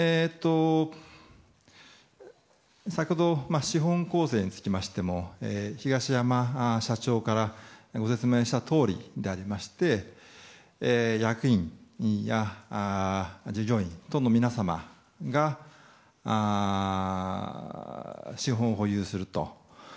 先ほど、資本構成につきましても東山社長からご説明したとおりでありまして役員や従業員の皆様が資本を保有すると。